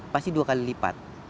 pasti dua kali lipat